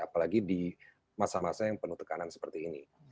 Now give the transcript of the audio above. apalagi di masa masa yang penuh tekanan seperti ini